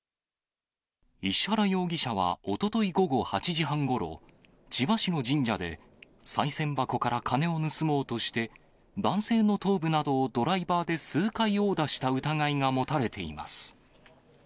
石原容疑者はおととい午後８時半ごろ、千葉市の神社でさい銭箱から金を盗もうとして、男性の頭部などをドライバーで数回殴打した疑いが持たれています。